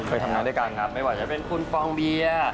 เคยทำงานด้วยกันครับไม่ว่าจะเป็นคุณฟองเบียร์